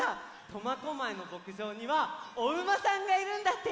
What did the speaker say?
苫小牧のぼくじょうにはおうまさんがいるんだって。